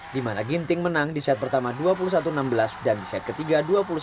di mana ginting menang di set pertama dua puluh satu enam belas dan di set ketiga dua puluh satu sembilan belas